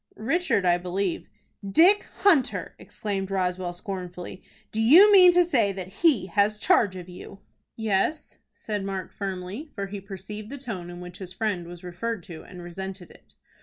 "Richard I believe." "Dick Hunter!" exclaimed Roswell, scornfully, "Do you mean to say that he has charge of you?" "Yes," said Mark, firmly, for he perceived the tone in which his friend was referred to, and resented it.